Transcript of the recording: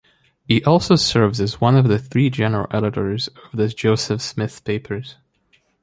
He also serves as one of three general editors of the Joseph Smith Papers.